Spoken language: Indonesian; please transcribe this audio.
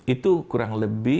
itu kurang lebih